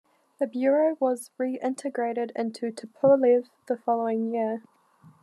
The bureau was re-integrated into Tupolev the following year.